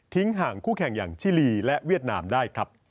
ห่างคู่แข่งอย่างชิลีและเวียดนามได้ครับ